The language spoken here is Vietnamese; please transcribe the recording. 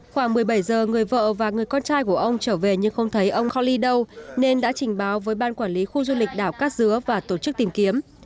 khoảng một mươi bảy giờ người vợ và người con trai của ông trở về nhưng không thấy ông holi đâu nên đã trình báo với ban quản lý khu du lịch đảo cát dứa và tổ chức tìm kiếm